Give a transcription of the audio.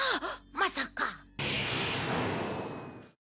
まさか。